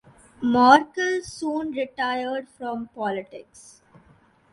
Morkel soon retired from politics.